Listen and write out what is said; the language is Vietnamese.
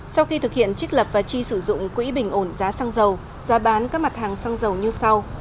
sau khi thực hiện trích lập và chi sử dụng quỹ bình ổn giá xăng dầu giá bán các mặt hàng xăng dầu như sau